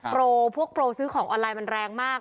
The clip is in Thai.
โปรพวกโปรซื้อของออนไลน์มันแรงมาก